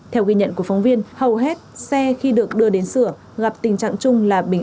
theo ghi nhận của phóng viên hầu hết xe khi được đưa đến sửa gặp tình trạng chung là bình